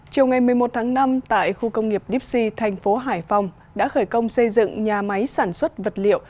chiều ngày một mươi một tháng năm tại khu công nghiệp dipsy thành phố hải phòng đã khởi công xây dựng nhà máy sản xuất vật liệu